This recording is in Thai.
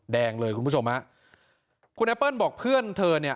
แดงเลยคุณผู้ชมฮะคุณแอปเปิ้ลบอกเพื่อนเธอเนี่ย